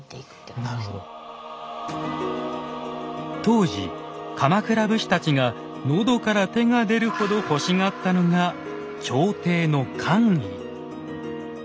当時鎌倉武士たちが喉から手が出るほど欲しがったのが朝廷の官位。